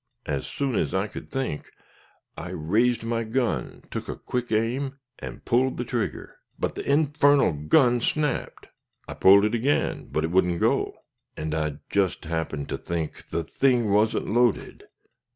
As soon as I could think, I raised my gun, took a quick aim, and pulled the trigger; but the infernal gun snapped. I pulled it again, but it wouldn't go, and I just happened to think the thing wasn't loaded.